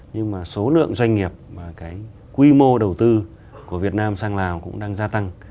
nhưng mà số lượng doanh nghiệp và cái quy mô đầu tư của việt nam sang lào cũng đang gia tăng